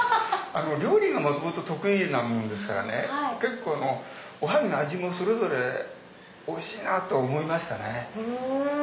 料理が元々得意なもんですからね結構おはぎの味もそれぞれおいしいなと思いましたね。